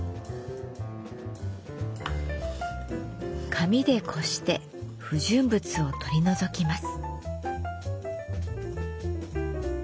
紙でこして不純物を取り除きます。